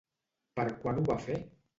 Per quant ho va fer?